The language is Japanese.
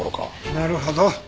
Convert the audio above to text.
なるほど。